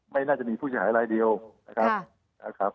ไม่น่าจะมีผู้เสียหายรายเดียวนะครับ